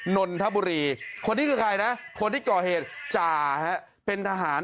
นนทบุรีคนนี้คือใครนะคนที่ก่อเหตุจ่าฮะเป็นทหาร